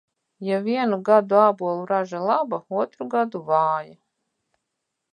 Ja vienu gadu ābolu raža laba, otru gadu vāja.